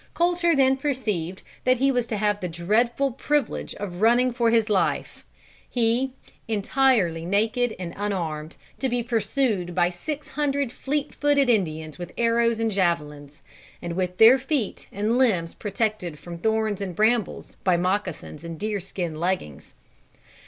Colter then perceived that he was to have the dreadful privilege of running for his life; he, entirely naked and unarmed, to be pursued by six hundred fleet footed Indians with arrows and javelins, and with their feet and limbs protected from thorns and brambles by moccasins and deerskin leggins.